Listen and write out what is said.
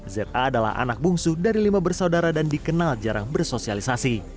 za adalah anak bungsu dari lima bersaudara dan dikenal jarang bersosialisasi